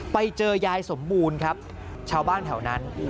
ไปเจอยายสมบูรณ์ครับชาวบ้านแถวนั้น